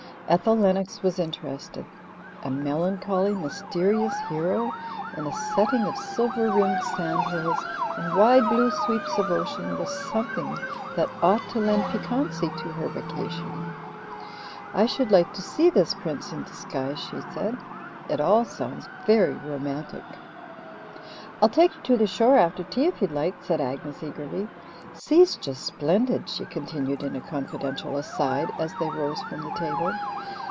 Ethel Lennox was interested. A melancholy, mysterious hero in a setting of silver rimmed sand hills and wide blue sweeps of ocean was something that ought to lend piquancy to her vacation. "I should like to see this prince in disguise," she said. "It all sounds very romantic." "I'll take you to the shore after tea if you'd like," said Agnes eagerly. "Si's just splendid," she continued in a confidential aside as they rose from the table.